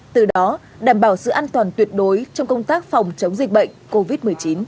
từ đó đảm bảo sự an toàn tuyệt đối trong công tác phòng chống dịch bệnh covid một mươi chín